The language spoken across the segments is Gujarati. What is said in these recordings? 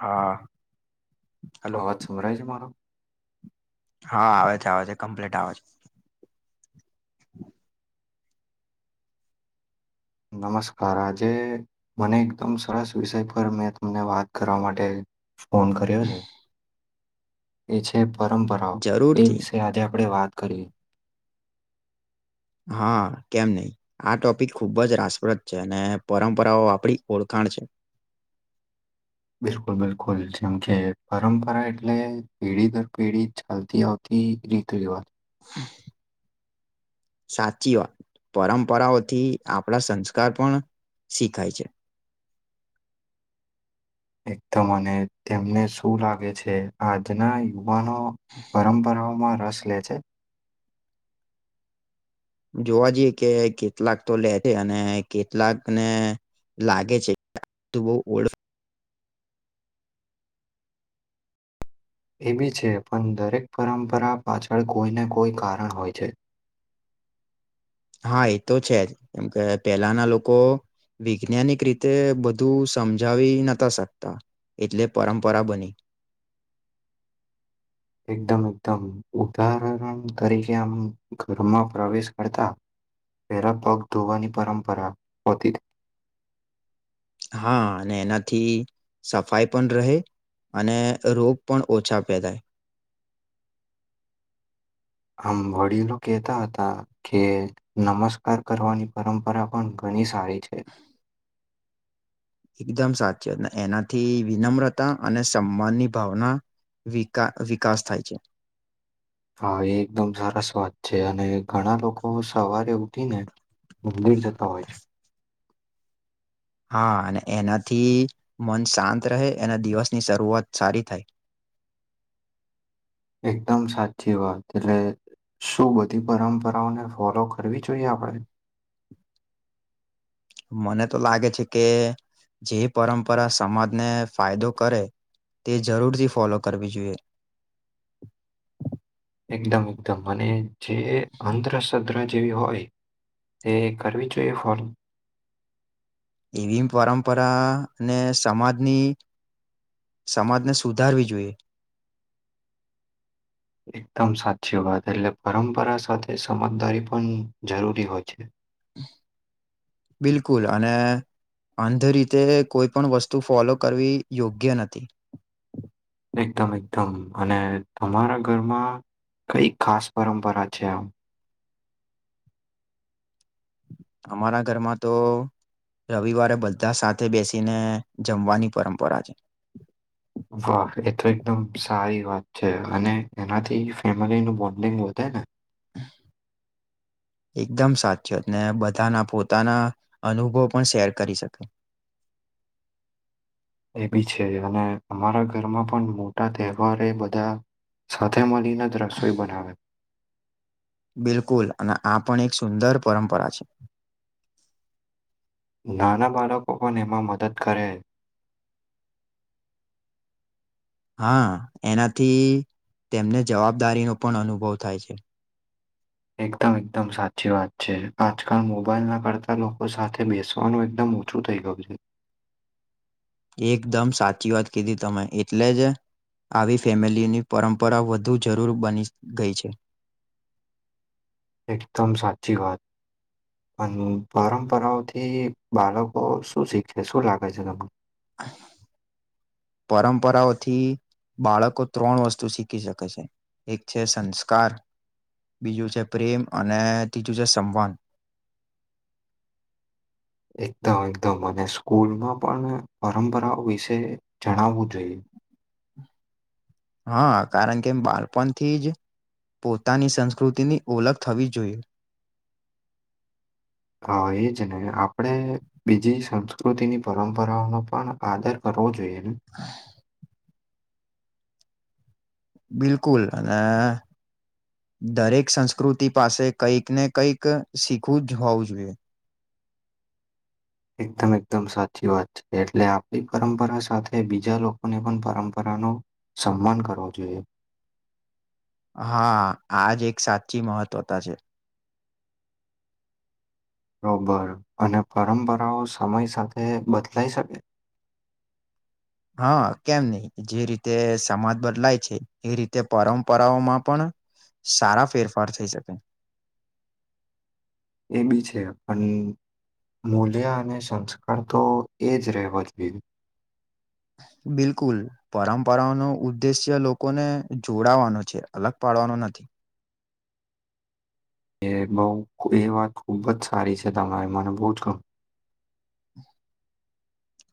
હા હલો અવાજ સંભળાય છે મારો હા આવે છે આવે છે કમ્પ્લીટ આવે છે નમસ્કાર આજે મને એકદમ સરસ વિષય પર મેં તમને વાત કરવા માટે ફોન કર્યો છે એ છે પરંપરાઓ એ જરૂરથી વિશે આજે આપણે વાત કરીએ હા કેમ નહી આ ટોપિક ખુબ જ રાસપ્રદ છે અને પરંપરાઓ આપડી ઓળખા કણ છે બિલકુલ બિલકુલ જેમ કે પરંપરા એટલે પેઢી દર પેઢી ચાલતી આવતી એ રીતિ રવાત હ સાચી વાત પરંપરાઓથી આપણા સંસ્કાર પણ શીખાય છે. એકદમ અને તેમને શું લાગે છે આજના યુવાનો પરંપરાઓમાં રસ લે છે. જોવા જઈએ કે કેટલાક તો લે છે અને કેટલાકને લાગે છે તું બઉ ઓળખ એ બી છે પણ દરેક પરંપરા પાછળ કોઈને કોઈ કારણ હોય છે. હા એ તો છે જ કેમ કે પેલાના લોકો વિજ્ઞાનિક રીતે બધું સમજાવી નતા શકતા. એટલે પરંપરા બની એકદમ એકદમ ઉદાહરણ તરીકે આમ ઘરમાં પ્રવેશ કરતા પેરા પગ ધોવાની પરંપરા હોતી. હા અને એનાથી સફાઈ પણ રહે. અને રોગ પણ ઓછા પેદાય. આમ વડીલો કેતા હતા કે નમસ્કાર કરવાની પરંપરા પણ ગણેશ સારી છે. એકદમ સાચી એનાથી વિનમ્રતા અને સમાનની ભાવના વી વિકાસ થાય છે. હા એ એકદમ સરસ વાત છે અને ઘણા લોકો સવાર ઉઠીને મંદિર જતા હોય છે. હા અને એનાથી મન શાંત રહે અને દિવસની શરૂઆત સારી થાય. એકદમ સાચી વાત તેટલે શું બધી પરંપરાઓને ફોલો કરવી જોઈએ આપણે. મને તો લાગે છે કે જે પરંપરા સમાજને ફાયદો કરે તે જરૂરથી ફોલો કરવી જોઈએ. એકદમ એકદમ અને જે અંધ્ર સધ્ર જેવી હોય તે ઘરવી જોઈએ ફોલ એવી પરંપરા અને સમાજની સમાજને સુધારવી જોઈએ. એકદમ સાચી વાત એટલે પરંપરા સાથે સમજદારી પણ જરૂરી હોય છે. બિલકુલ અને અંધ રીતે કોઈ પણ વસ્તુ ફોલો કરવી યોગ્ય નથી. એકદમ એકદમ અને તમારા ઘરમાં કઈ ખાસ પરંપરા છે આમ અમારા ઘરમાં તો રવિવારે બધા સાથે બેસીને જમવાની પરંપરા છે. વાહ એ તો એકદમ સારી વાત છે અને એનાથી ફેમિલીનું બોન્ડિંગ વધે ને. એકદમ સાચીવાત ને બધાના પોતાના અનુભવ પણ શેર કરી શકે. એ બી છે અને અમારા ઘરમાં પણ મોટા તહેવાર એ બધા સાથે મળીને જ રસોઈ બનાવે. બિલકુલ અને આ પણ એક સુંદર પરંપરા છે. નાના બાળકો પણ એમાં મદદ કરે. હા એનાથી તેમને જવાબદારીનો પણ અનુભવ થાય છે એકદમ એકદમ સાચી વાત છે આજકાલ મોબાઈલ ના કરતા લોકો સાથે બેસવાનું એકદમ ઓછું થઈ ગયું છે એકદમ સાચી વાત કીધી તમે એટલે જ આવી ફેમિલીની પરંપરા વધુ જરૂર બની ગઈ છે એકદમ સાચચી વાત પરંપરાઓથી બાળકો શું શીખે શું લાગે છે તમને પરંપરાઓથી બાળકો ત્રણ વસ્તુ શીખી શકે છે એક છે સંસ્કાર બીજું છે પ્રેમ અને ત્રીજું છે [unintelligible] એકદમ એકદમ અને સ્કૂલમાં પણ પરંપરાઓ વિશે જણાવવું જોઈએ હા કારણ કે એમ બાળપણથી જ પોતાની સંસ્કૃતિની ઓળખ થવી જોઈએ એજ ને આપડણે બીજી સંસ્કૃતિની પરંપરાઓનો પણ આદર કરવો જોઈએ હમ બિલકુલ અને દરેક સંસ્કૃતિ પાસે કંઈક ને કંઈક શીખવું જ હોવું જોઈએ એકદમ એકદમ સાચી વાત છે એટલે આપણી પરંપરા સાથે બીજા લોકોની પણ પરંપરા નો સન્માન કરવો જોઈએ હા આજ એક સાચી મહત્વતા છે બરોબર અને પરંપરાઓ સમય સાથે બદલાઈ શકે હા કેમ નહી જે રીતે સમાજ બદલાય છે એ રીતે પરંપરાઓમાં પણ સારા ફેરફાર થઈ શકે એ બી છે પણ મૂલ્ય અને સંસ્કાર તો એ જ રહેવા જોઈએ બિલકુલ પરંપરાઓ નો ઉદ્દેશ્ય લોકોને જોડાવાનો છે અલગ પાડવાનો નથી એ બઉ એ વાત ખુબ જ સારી છે તમારી મને બહુ જ [unintelligible]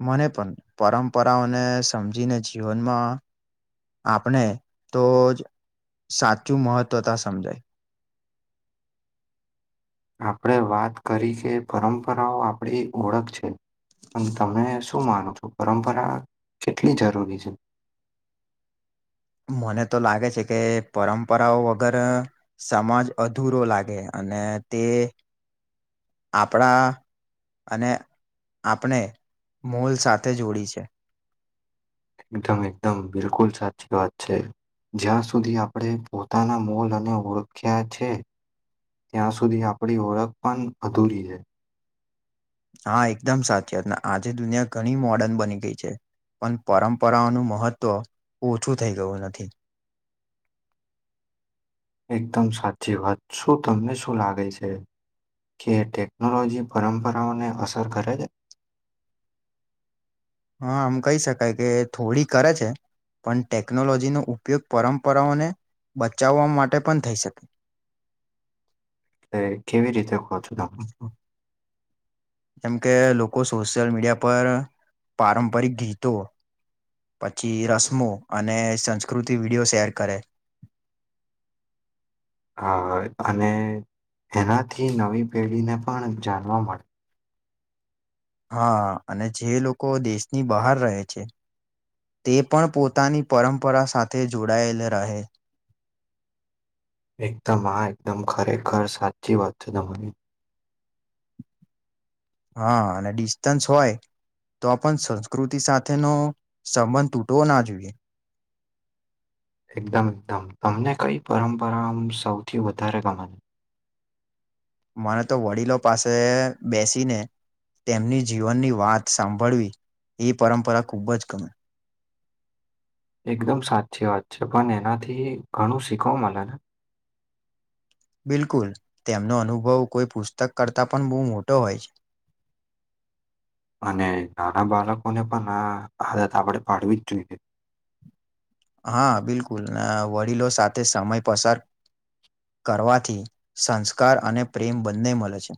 મને પણ પરંપરાઓને સમજીને જીવનમાં આપણે તો જ સાચું મહત્ત્વતા સમજાય આપણે વાત કરી કે પરંપરાઓ આપણી ઓળખ છે પણ તમે શું માનો છો પરંપરા કેટલી જરૂરી છે મને તો લાગે છે કે પરંપરાઓ વગર સમાજ અધૂરો લાગે અને તે હ આપણા અને આપણે મોલ સાથે જોડી છે એકદમ એકદમ બિલકુલ સાચચી વા છે જ્યાં સુધી આપણે પોતાના મોલ અને ઓળખ્યા છે ત્યાં સુધી આપણી ઓળખ પણ અધૂરી છે હા એકદમ સાચી વાત આજે દુનિયા ઘણી મોર્ડર્ન બની ગઈ છે પણ પરંપરાઓનું મહત્ત્વ ઓછું થઈ ગયું નથી એકદમ સાચી વાત, શું તમને શું લાગે છે? કે ટેકનોલોજી પરંપરાઓને અસર કરે છે? હા આમ કહી શકાય કે થોડી કરે છે. પણ ટેકનોલોજીનો ઉપયોગ પરંપરાઓને બચાવવા માટે પણ થઈ શકે. તે કેવી રીતે કહો છો તમ જેમ કે લોકો સોશિયલ મીડિયા પર પારંપરિક ગીતો પછી રસમો અને સંસ્કૃતિ વિડિયો શેર કરે. હા અને એનાથી નવી પેઢીને પણ જાણવા મળે. હા અને જે લોકો દેશની બહાર રહે છે. તે પણ પોતાની પરંપરા સાથે જોડાયેલ રહે. એકદમ આ એકદમ ખરેખર સાચી વાત છે તમારી. હા અને ડિસ્ટન્સ હોય તો આપણ સંસ્કૃતિ સાથેનો સંબંધ તૂટવો ના જોઈએ. એકદમ એકદમ તમને કઈ પરંપરા સૌથી વધારે ગમાની મને તો વડીલો પાસે બેસીને તેમની જીવનની વાત સાંભળવી એ પરંપરા ખૂબ જ ગમે. એકદમ સાચી વાત છે પણ એનાથી ઘણું શીખવા મળે ને. બિલકુલ તેમનો અનુભવ કોઈ પુસ્તક કરતાં પણ બહુ મોટો હોય છે. અને નાના બાળકોને પણ આ આદત આપણેે પાડવી જ જોઈએ. હા બિલકુલ વડીલો સાથે સમય પસાર કરવાથી સંસ્કાર અને પ્રેમ બંને મળે છે.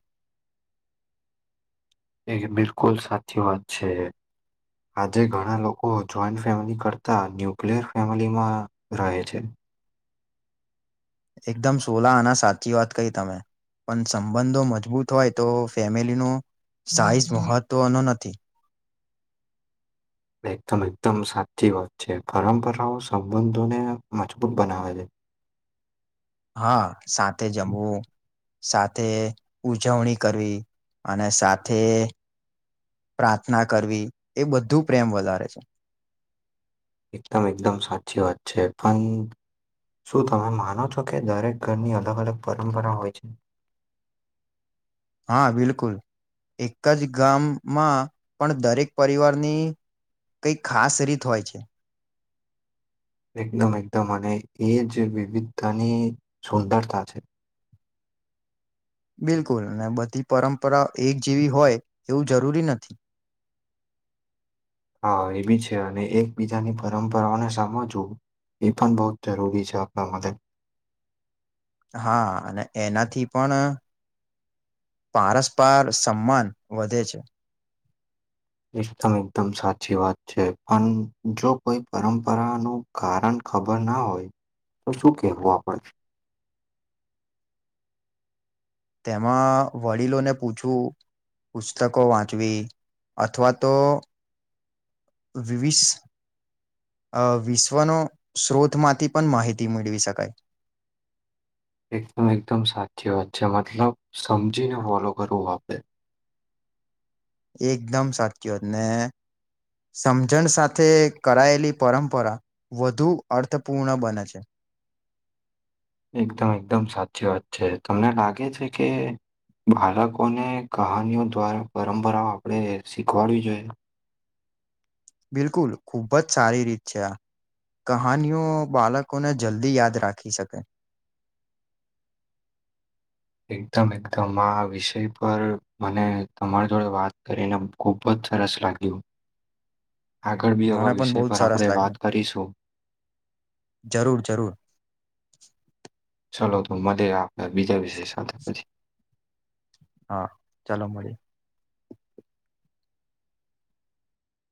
એક બિલકુલ સાચી વાત છે. આજે ઘણા લોકો જોઈન્ટ ફેમિલી કરતાં ન્યુક્લિયર ફેમિલીમાં રહે છે. એકદમ સોલા આના સાચી વાત કહી તમે. પણ સંબંધો મજબૂત હોય તો ફેમિલીનો સાઈઝ મહત્ત્વનો નથી. એકદમ એકદમ સાચી વાત છે પરંપરાઓ સંબંધોને મજબૂત બનાવે છે. હા સાથે જમવું. સાથે ઉજવણી કરવી અને સાથે પ્રાર્થના કરવી એ બધું પ્રેમ વધારે છે. એકદમ એકદમ સાચી વાત છે પણ શું તમે માનો છો કે દરેક ઘરની અલગ અલગ પરંપરા હોય છે. હા બિલકુલ. એક જ ગામમાં પણ દરેક પરિવારની કઈ ખાસ રીત હોય છે. એકદમ એકદમ અને એ જે વિવિધતાની સુંદરતા છે. બિલકુલ ને બધી પરંપરા એક જેવી હોય એવું જરૂરી નથી. હા એ બી છે અને એકબીજાની પરંપરાઓને સમજવું ઇપન બહુજ જરૂરી છે આપડા માટે. હા અને એનાથી પણ પારસ્પાર સમાન વધે છે. એકદમ એકદમ સાચી વાત છે પણ જો કોઈ પરંપરાનું કારણ ખબર ના હોય તો શું કેવું આપડે. તેમાં વડીલોને પૂછું પુસ્તકો વાંચવી અથવા તો વિવિસ અ વિશ્વનો સ્ત્રોતમાંથી પણ માહિતી મેળવી શકાય. [unintelligible] એકદમ એકદમ સાચી વાત છે, મતલબ સમજીને ફોલો કરવું આપડે. એકદમ સાચીવાત ને સમજણ સાથે કરાયેલી પરંપરા વધુ અર્થપૂર્ણ બને છે. એકદમ એકદમ સાચી વાત છે તમને લાગે છે કે બાળકોને કહાનીઓ દ્વારા પરંપરાઓ આપણે શીખવાડવી જોઈએ. બિલકુલ ખૂબ જ સારી રીત છે આ. કહાનીઓ બાળકોને જલ્દી યાદ રાખી શકે. [unintelligible] એકદમ એકદમ આ વિષય પર મને તમારી જોડે વાત કરીને ખુબ જ રસ લાગ્યો આગળ બી મને આવા પણ બહુ વિષય જ પર સરસ આપણે લાગ્યું વાત કરીશું. જરૂર જરૂર. ચલો તો મધે રાતના બીજા વિષય સાથે પછ હા ચાલો મળએ.